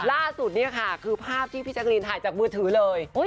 ล่าสุดเนี่ยค่ะคือภาพที่พี่แจ๊กรีนถ่ายจากมือถือเลย